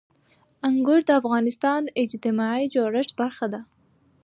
انګور د افغانستان د اجتماعي جوړښت برخه ده.